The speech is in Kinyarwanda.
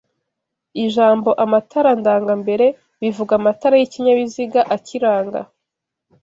Ijambo amatara ndangambere bivuga amatara yikinyabiziga akiranga